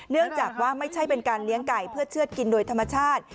เนื่องจากว่าไม่ใช่เป็นการเลี้ยงไก่เพื่อเชื่อดกินโดยธรรมชาติ